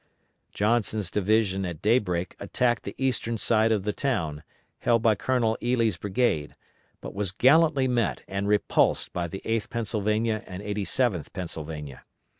Johnson's division at daybreak attacked the eastern side of the town, held by Colonel Ely's brigade, but was gallantly met and repulsed by the 8th Pennsylvania and 87th Pennsylvania.